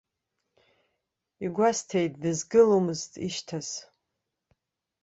Игәасҭеит, дызгыломызт ишьҭаз.